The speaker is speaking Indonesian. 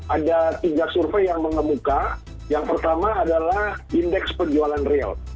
ada tiga survei yang mengemuka yang pertama adalah indeks penjualan real